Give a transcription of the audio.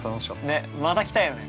また来たいよね。